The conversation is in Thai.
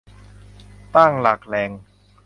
ตั้งหลักแหล่ง